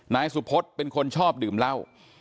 นายสุพธเป็นคนชอบดื่มเหล้า